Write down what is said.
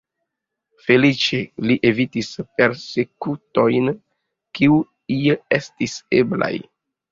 Feliĉe, li evitis persekutojn, kiuj estis eblaj.